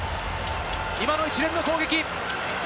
今の一連の攻撃。